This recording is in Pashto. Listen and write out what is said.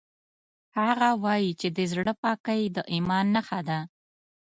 هغه وایي چې د زړه پاکۍ د ایمان نښه ده